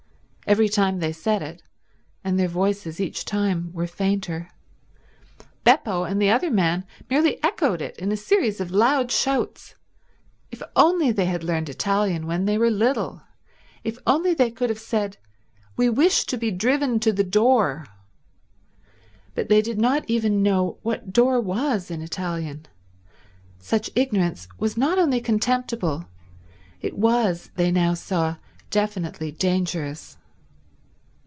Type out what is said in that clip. Every time they said it, and their voices each time were fainter, Beppo and the other man merely echoed it in a series of loud shouts. If only they had learned Italian when they were little. If only they could have said, "We wish to be driven to the door." But they did not even know what door was in Italian. Such ignorance was not only contemptible, it was, they now saw, definitely dangerous.